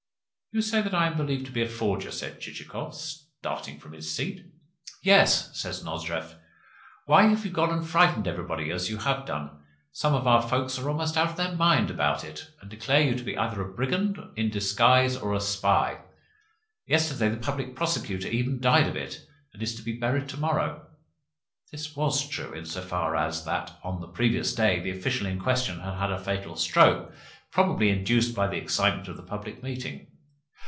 "You say that I am believed to be a forger?" said Chichikov, starting from his seat. "Yes," said Nozdrev. "Why have you gone and frightened everybody as you have done? Some of our folk are almost out of their minds about it, and declare you to be either a brigand in disguise or a spy. Yesterday the Public Prosecutor even died of it, and is to be buried to morrow" (this was true in so far as that, on the previous day, the official in question had had a fatal stroke probably induced by the excitement of the public meeting).